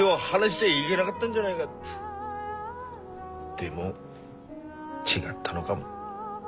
でも違ったのがも。